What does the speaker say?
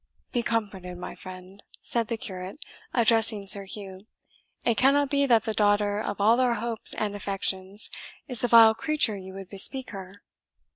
"Be comforted, my friend," said the curate, addressing Sir Hugh, "it cannot be that the daughter of all our hopes and affections is the vile creature you would bespeak her."